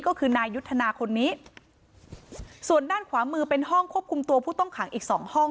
ก็คือนายยุทธนาคนนี้ส่วนด้านขวามือเป็นห้องควบคุมตัวผู้ต้องขังอีกสองห้อง